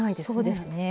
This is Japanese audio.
そうですね